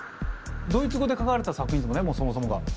ドイツ語で書かれた作品とかねもうそもそもが。